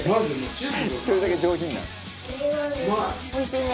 おいしいね。